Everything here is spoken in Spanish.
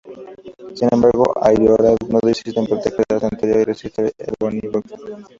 Sin embargo, Aioria no desiste en proteger el Santuario y resiste al "Ebony Vortex".